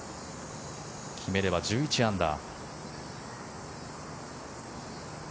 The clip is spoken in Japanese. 決めれば１１アンダー。